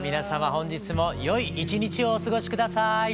本日もよい一日をお過ごし下さい。